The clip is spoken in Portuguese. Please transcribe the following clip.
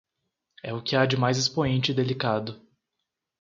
É o que há de mais expoente e delicado